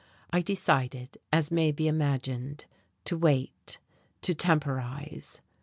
I decided, as may be imagined, to wait, to temporize.